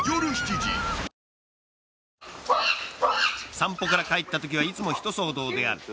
散歩から帰ってきたときはいつもひと騒動である。